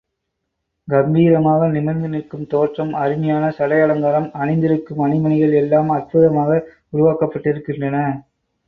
கம்பீரமாக நிமிர்ந்து நிற்கும் தோற்றம், அருமையான சடை அலங்காரம், அணிந்திருக்கும் அணிமணிகள் எல்லாம் அற்புதமாக உருவாக்கப்பட்டிருக்கின்றன.